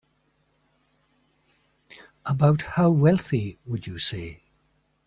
About how wealthy would you say?